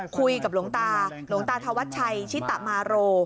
คุยกับหลวงตาหลวงตาธวัชชัยชิตมาโร